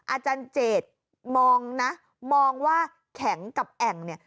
อาจารย์เจดมองนะมองว่าแข็งกับแอ่งเนี่ย